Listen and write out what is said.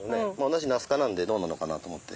同じナス科なんでどうなのかなと思って。